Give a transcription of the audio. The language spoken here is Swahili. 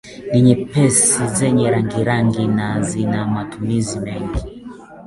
Ni nyepesi zenye rangirangi na zina matumizi mengi